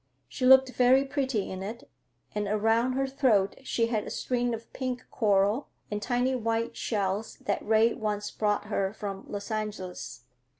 She looked very pretty in it, and around her throat she had a string of pink coral and tiny white shells that Ray once brought her from Los Angeles.